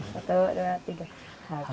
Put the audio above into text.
satu dua tiga